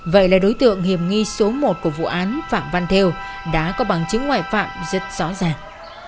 vậy là đối tượng hiểm nghi số một của vụ án phạm văn theo đã có bằng chứng ngoại phạm rất rõ ràng